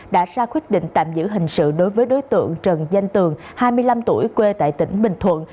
đã ra quyết định tạm giữ hình sự đối với đối tượng trần danh tường hai mươi năm tuổi quê tại tỉnh bình thuận